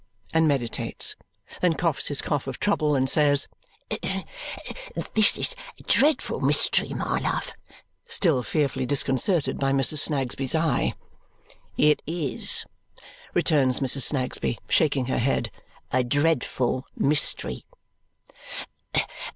and meditates. Then coughs his cough of trouble and says, "This is a dreadful mystery, my love!" still fearfully disconcerted by Mrs. Snagsby's eye. "It IS," returns Mrs. Snagsby, shaking her head, "a dreadful mystery."